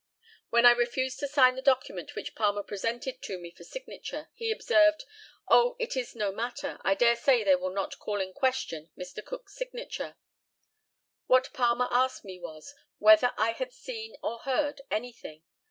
When I refused to sign the document which Palmer presented to me for signature he observed, "Oh, it is no matter, I daresay they will not call in question Mr. Cook's signature." What Palmer asked me was, "whether I had seen or heard anything?"